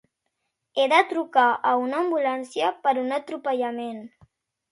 He de trucar a una ambulància per un atropellament.